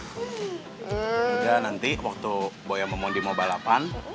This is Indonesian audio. udah nanti waktu boya dan momondi mau balapan